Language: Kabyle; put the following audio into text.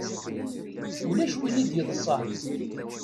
Ulac win i d-yeḍṣan.